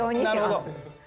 なるほど。